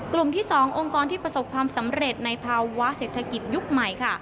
กลุ่มที่๒องค์กรที่ประสบความสำเร็จในภาวะเศรษฐกิจยุคใหม่ค่ะ